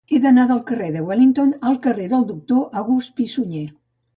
He d'anar del carrer de Wellington al carrer del Doctor August Pi i Sunyer.